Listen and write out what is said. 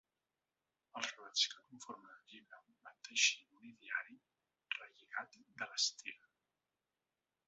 Els relats que conformen el llibre van teixint un ideari relligat per l’estil.